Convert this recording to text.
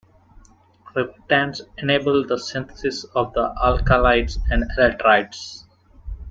Cryptands enabled the synthesis of the alkalides and electrides.